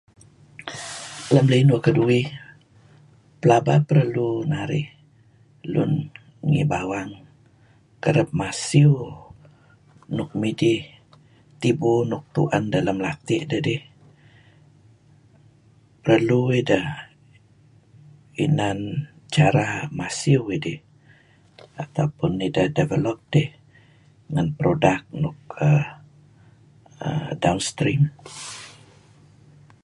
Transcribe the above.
[unintelligible] kaduih, pelaba perlu narih lun ngi bawang kareb masiew nuk mi'dih ti'bu nuk tu'an dah lam la'tih dah dih. Perlu idah i'nan cara masiew idih [unintelligible] ma'toh develop dih ngan product nuk [aah]down streams